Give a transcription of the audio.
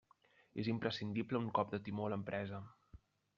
És imprescindible un cop de timó a l'empresa.